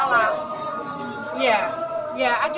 kalau kriterianya nggak masuk saya yang salah